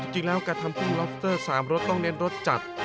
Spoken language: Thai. จริงแล้วการทำกุ้งล็อบเตอร์๓รสต้องเน้นรสจัด